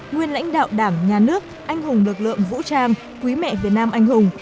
nguyên lãnh đạo đảng nhà nước anh hùng lực lượng vũ trang quý mẹ việt nam anh hùng